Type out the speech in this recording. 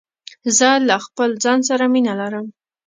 زه له خپل ځان سره مینه لرم.